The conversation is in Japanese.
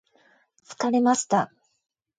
疲れました。